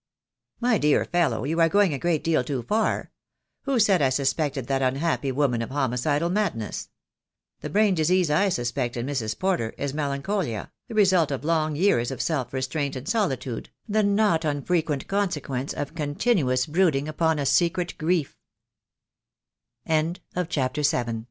"My dear fellow, you are going a great deal too far. Who said I suspected that unhappy woman of homicidal madness? The brain disease I suspect in Mrs. Porter is melancholia, the result of long years of self restraint and solitude, the not unfrequent consequence of co